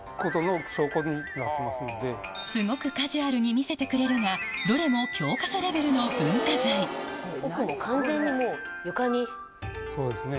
すごくカジュアルに見せてくれるがどれも教科書レベルの文化財そうですね。